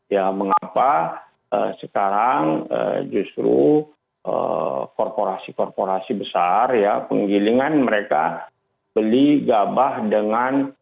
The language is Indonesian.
ya mengapa sekarang justru korporasi korporasi besar ya penggilingan mereka beli gabah dengan